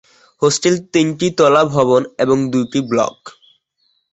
Hostel তিনটি তলা ভবন এবং দুটি ব্লক।